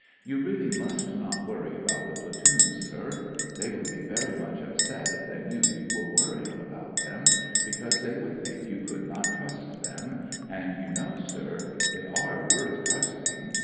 You really must not worry about the platoon, sir. They wouid be very much upset if they knew you were worrying about them, because they would think you could not trust them, and, you know, sir, they v vorth trusting.